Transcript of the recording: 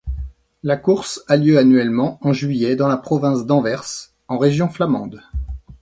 La course a lieu annuellement en juillet dans la province d'Anvers, en Région flamande.